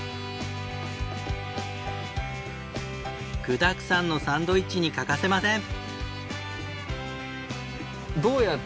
具だくさんのサンドイッチに欠かせません。